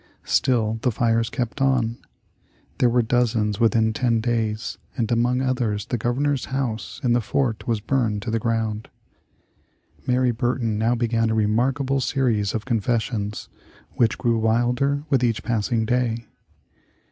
Still the fires kept on. There were dozens within ten days, and among others the Governor's house in the fort was burned to the ground. [Illustration: The Negroes Sentenced.] Mary Burton now began a remarkable series of confessions which grew wilder with each passing day.